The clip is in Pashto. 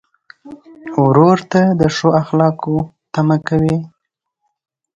ورور ته د ښو اخلاقو تمه کوې.